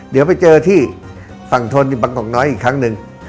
เดี๋ยวไปเจอที่ฝั่งทนที่บังกงน้อยอีกครั้งหนึ่ง